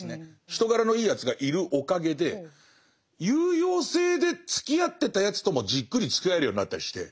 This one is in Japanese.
人柄のいいやつがいるおかげで有用性でつきあってたやつともじっくりつきあえるようになったりして。